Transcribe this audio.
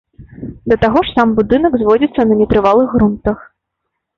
Да таго ж, сам будынак зводзіцца на нетрывалых грунтах.